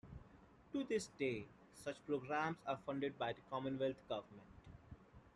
To this day such programs are funded by the Commonwealth Government.